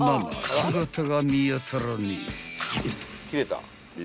姿が見当たらねえ］